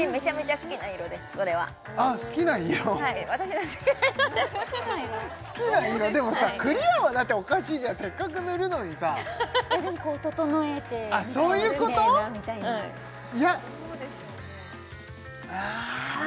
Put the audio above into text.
好きな色でもさクリアはだっておかしいじゃんせっかく塗るのにさでも整えてみたいなキレイなみたいなそういうこと？